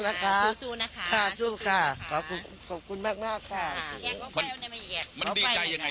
นะคะสู้นะคะขอขอบคุณมากมากค่ะมันดีใจยังไง